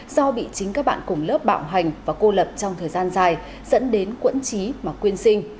do bị chính các bạn cùng lớp bạo hành và cô lập trong thời gian dài dẫn đến quẫn chí mà quyên sinh